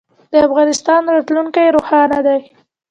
د افغانستان راتلونکی روښانه دی.